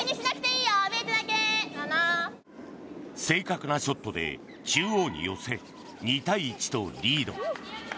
正確なショットで中央に寄せ２対１とリード。